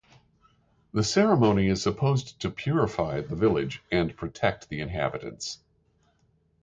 The ceremony is supposed to purify the village and protect the inhabitants.